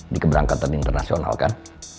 di keberangkatan internasional kan